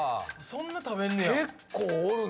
そんな食べんねや。